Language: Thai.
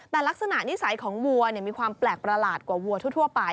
แต่ลักษณะนิสัยของวัวมีความแปลกประหลาดกว่าวัวทั่วไป